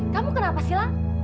kamu kenapa sih lang